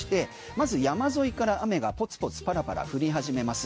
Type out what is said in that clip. まず山沿いから雨がポツポツ、パラパラ降り始めます。